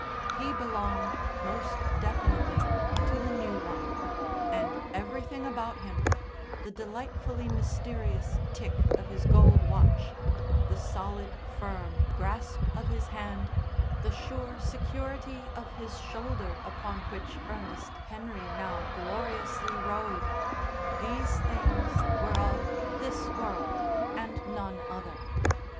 He belonged, most definitely, to the new one, and everything about him the delightfully mysterious tick of his gold watch, the solid, firm grasp of his hand, the sure security of his shoulder upon which Ernest Henry now gloriously rode these things were of this world and none other.